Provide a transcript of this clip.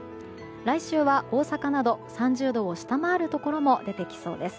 来週は大阪など３０度を下回るところも出てきそうです。